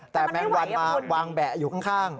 แต่แมงวันมาวางแบะอยู่ข้าง